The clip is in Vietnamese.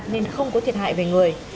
nên không có thiệt hại về người